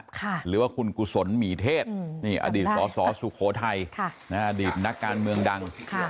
หรือว่าคุณกุศลหมีเทศนี่อดีตสสสุโขทัยอดีตนักการเมืองดัง